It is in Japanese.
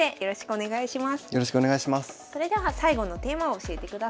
お願いします。